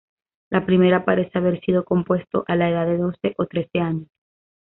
La primera parece haber sido compuesto a la edad de doce o trece años.